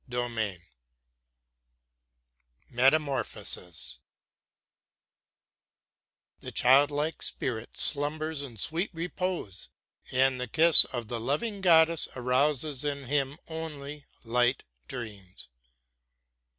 METAMORPHOSES The childlike spirit slumbers in sweet repose, and the kiss of the loving goddess arouses in him only light dreams.